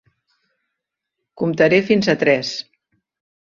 Comptaré fins a tres.